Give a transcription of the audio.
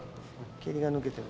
けりがぬけてる。